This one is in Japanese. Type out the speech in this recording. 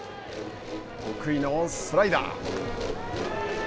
得意のスライダー。